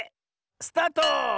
スタート！